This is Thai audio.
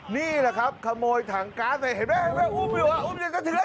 นี่ล่ะครับขโมยถังก๊าซในเห็นแม่อยู่ครับ